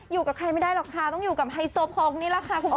อยู่กับใครไม่ได้หรอกค่ะต้องอยู่กับไฮโซโพงนี่แหละค่ะคุณผู้ชม